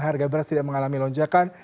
harga beras tidak mengalami lonjakan